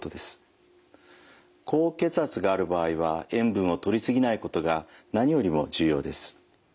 高血圧がある場合は塩分をとり過ぎないことが何よりも重要です。